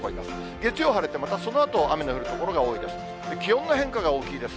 月曜晴れて、またそのあと雨の降る所が多いです。